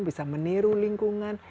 bisa meniru lingkungan